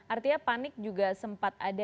artinya panik juga sempat ada